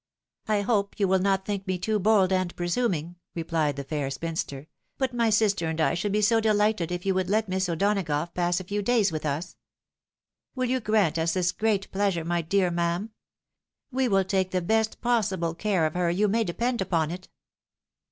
" I hope you will not think me too bold and presuming," replied the fair spinster ;" but my sister and I should be so delighted if you would let Miss O'Donagough pass a few days with us. Win you grant us this great pleasure, my dear ma'am ? We will take the best possible care of her, you may depend upon it."